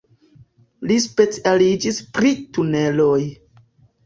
Li specialiĝis pri tuneloj.